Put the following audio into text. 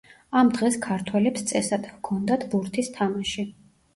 ამ დღეს ქართველებს წესად ჰქონდათ ბურთის თამაში.